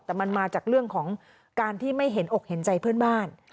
แต่มันมาจากเรื่องของการที่ไม่เห็นอกเห็นใจเพื่อนบ้าน